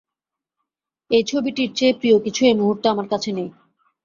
এই ছবিটির চেয়ে প্রিয় কিছু এই মুহূর্তে আমার কাছে নেই।